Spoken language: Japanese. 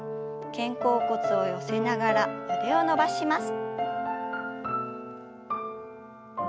肩甲骨を寄せながら腕を伸ばします。